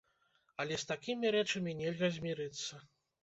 Але з такімі рэчамі нельга змірыцца.